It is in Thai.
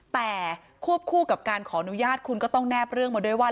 แต่ควบคู่กับการขออนุญาตคุณก็ต้องแนบเรื่องมาด้วยว่า